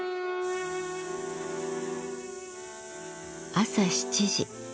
朝７時。